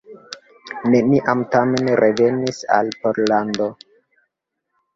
Neniam tamen revenis al Pollando.